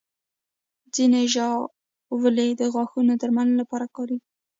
ځینې ژاولې د غاښونو درملنې لپاره کارېږي.